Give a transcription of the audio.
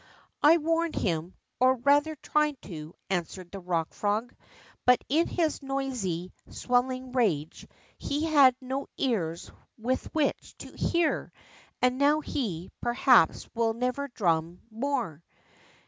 '' I warned him, or, rather, tried to," answered the Rock Frog, but in his noisy, swelling rage he had no ears with which to hear, and now, he, perhaps, will never' drum more